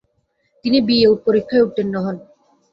তিনি বিএ পরীক্ষায় উত্তীর্ণ হন।